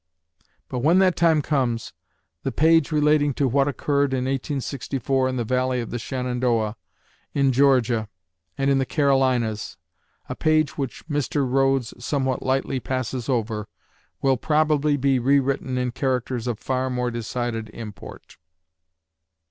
But when that time comes, the page relating to what occurred in 1864 in the Valley of the Shenandoah, in Georgia, and in the Carolinas, a page which Mr. Rhodes somewhat lightly passes over will probably be rewritten in characters of far more decided import.